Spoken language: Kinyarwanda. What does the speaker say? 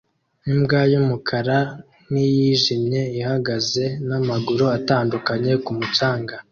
Imbwa y'umukara n'iyijimye ihagaze n'amaguru atandukanye ku mucanga